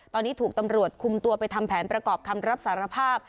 ตอนนี้ถูกตำรวจคุมตัวไปทำแผนประกอบคำรับสารภาพ